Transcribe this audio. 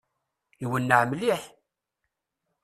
Iwenneɛ mliḥ!